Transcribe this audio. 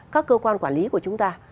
các cơ quan quản lý của chúng ta